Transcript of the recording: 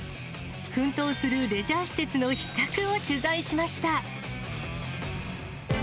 奮闘するレジャー施設の秘策を取材しました。